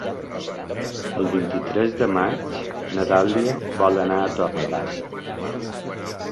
El vint-i-tres de maig na Dàlia vol anar a Torre Baixa.